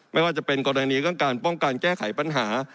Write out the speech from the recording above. ไม่ว่าจะเป็นกรณีเรื่องการป้องกันแก้ไขปัญหา